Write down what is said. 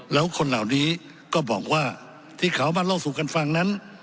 แล้วคนเหล่านี้ก็บอกว่าที่เขามาเล่าสู่กันฟังนั้น